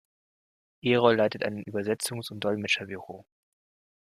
Erol leitet einen Übersetzungs- und Dolmetscherbüro.